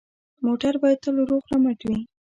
موټر باید تل روغ رمټ وي.